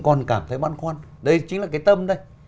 còn cảm thấy băn khoăn đây chính là cái tâm đây